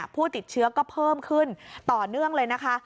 ผู้ติดเชื้อก็เพิ่มขึ้นต่อเนื่องเลยนะคะ